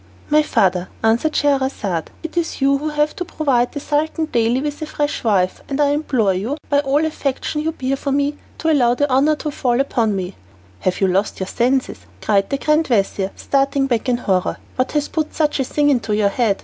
"My father," answered Scheherazade, "it is you who have to provide the Sultan daily with a fresh wife, and I implore you, by all the affection you bear me, to allow the honour to fall upon me." "Have you lost your senses?" cried the grand vizir, starting back in horror. "What has put such a thing into your head?